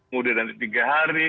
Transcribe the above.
mungkin tiga hari